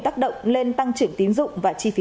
tác động lên tăng trưởng tín dụng và chi phí